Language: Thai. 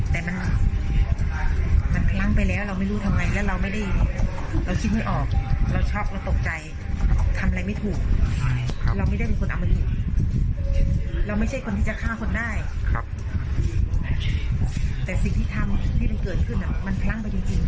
แต่สิ่งที่ทำที่เลยเกิดขึ้นมันพรั่งไปจริง